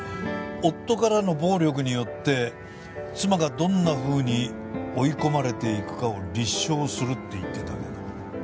夫からの暴力によって妻がどんなふうに追い込まれていくかを立証するって言ってたけど。